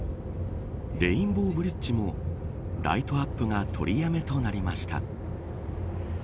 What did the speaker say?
レインボーブリッジもライトアップが取りやめとなりました。